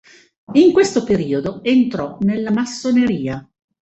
In questo periodo entrò nella massoneria.